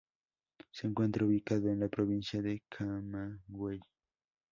Se encuentra ubicado en la provincia de Camagüey.